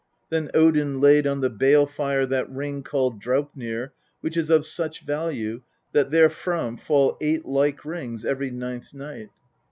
Then Odin laid on the bale tire that ring called Draupnir, which is of such value that therefrom fall eight like rings every ninth night.